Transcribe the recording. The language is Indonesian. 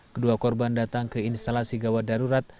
kedua korban datang ke instalasi gawat darurat